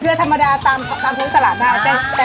เกลือธรรมดาตามโทษตลาดนะครับ